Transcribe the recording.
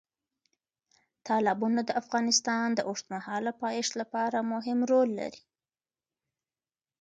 تالابونه د افغانستان د اوږدمهاله پایښت لپاره مهم رول لري.